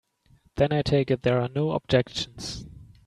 Then I take it there are no objections.